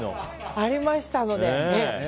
ありましたので。